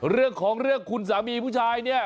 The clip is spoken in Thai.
เรื่องของเรื่องคุณสามีผู้ชายเนี่ย